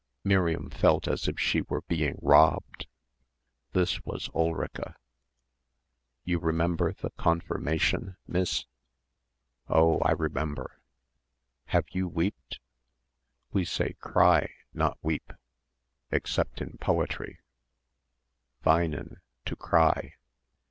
Miriam felt as if she were being robbed.... This was Ulrica.... "You remember the Konfirmation, miss?" "Oh, yes, I remember." "Have you weeped?" "We say cry, not weep, except in poetry weinen, to cry."